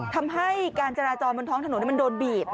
ทำให้การจราจรบนท้องถนนมันโดนบีบ